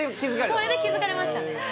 それで気付かれましたね